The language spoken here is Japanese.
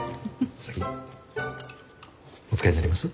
次お使いになります？